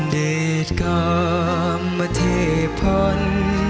เด็ดกรรมเทพภัณฑ์